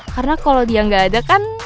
karena kalau dia gak ada kan